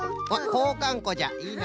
こうかんこじゃいいの。